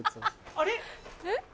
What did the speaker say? あれ？